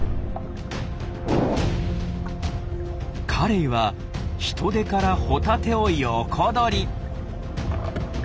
カレイはヒトデからホタテを横取り！